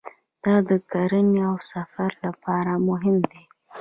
دا د کرنې او سفر لپاره مهم دی.